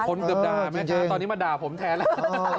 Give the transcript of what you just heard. เกือบด่าแม่ค้าตอนนี้มาด่าผมแทนแล้ว